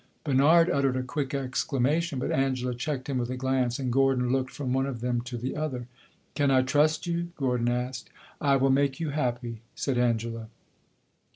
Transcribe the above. Bernard uttered a quick exclamation, but Angela checked him with a glance, and Gordon looked from one of them to the other. "Can I trust you?" Gordon asked. "I will make you happy," said Angela.